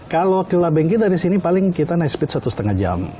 kalau kilabengki dari sini paling kita naik speed satu lima jam